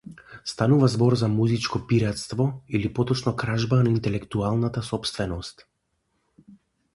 Станува збор за музичко пиратство или поточно кражба на интелектуалната сопственост.